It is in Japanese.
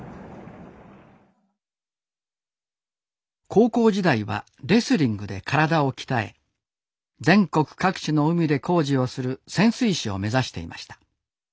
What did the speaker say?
高校時代はレスリングで体を鍛え全国各地の海で工事をする潜水士を目指していました。